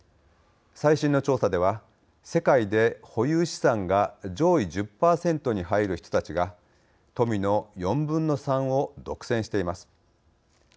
最新の調査では世界で保有資産が上位１０％に入る人たちが富の４分の３を独占しています。